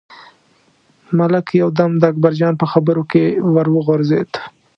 ملک یو دم د اکبرجان په خبرو کې ور وغورځېد.